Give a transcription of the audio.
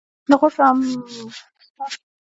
د غور شاهمشه پل د نړۍ پخوانی معلق پل دی